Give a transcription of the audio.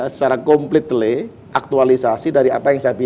secara komplitly aktualisasi dari apa yang saya bina